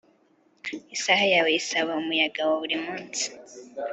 isaha yawe isaba umuyaga wa buri munsi